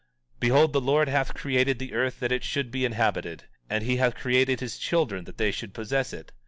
17:36 Behold, the Lord hath created the earth that it should be inhabited; and he hath created his children that they should possess it.